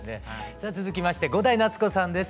さあ続きまして伍代夏子さんです。